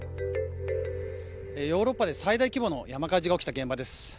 ヨーロッパで最大規模の山火事が起きた現場です。